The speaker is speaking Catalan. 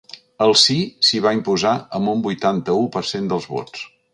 El sí s’hi va imposar amb un vuitanta-u per cent dels vots.